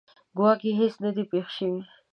ګواکې هیڅ نه ده پېښه شوې.